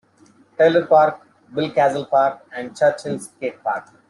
Taylor Park, Bill Castle Park, and Church Hill Skate Park.